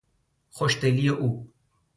خوشدلی او